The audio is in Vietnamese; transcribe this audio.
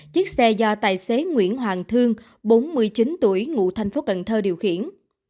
chiếc xe do tài xế nguyễn hoàng thương bốn mươi chín tuổi ngụ thành phố cần thơ điều khiển